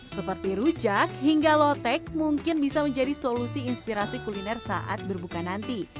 seperti rujak hingga lotek mungkin bisa menjadi solusi inspirasi kuliner saat berbuka nanti